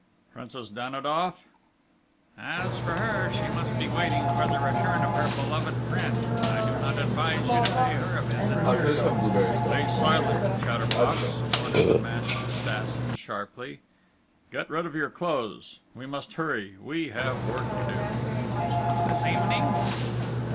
"Princess Danidoff?" "Ah, as for her she must be waiting for the return of her beloved friend.... I do not advise you to pay her a visit!" "Be silent, chatter box!" ordered the masked assassin sharply. "Get rid of your clothes.... We must hurry!... We have work to do!" "This evening?"